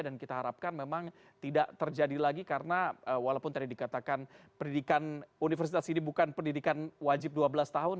dan kita harapkan memang tidak terjadi lagi karena walaupun tadi dikatakan pendidikan universitas ini bukan pendidikan wajib dua belas tahun